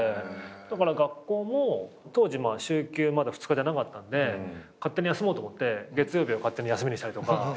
だから学校も当時週休２日じゃなかったんで勝手に休もうと思って月曜日を勝手に休みにしたりとか。